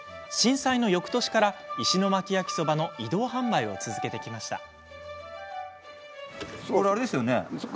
震災のよくとしから石巻焼きそばの移動販売を続けてきました。